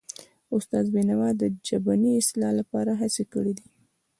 استاد بینوا د ژبني اصلاح لپاره هڅې کړی دي.